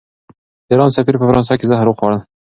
د ایران سفیر په فرانسه کې زهر وخوړل.